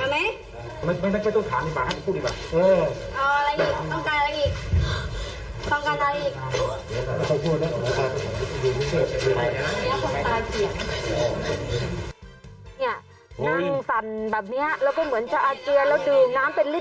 นั่งสั่นแบบนี้แล้วก็เหมือนจะอาเจือนแล้วดื่มน้ำเป็นลิ